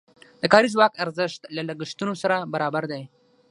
د کاري ځواک ارزښت له لګښتونو سره برابر دی.